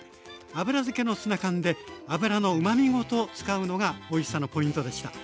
油漬けのツナ缶で油のうまみごと使うのがおいしさのポイントでした。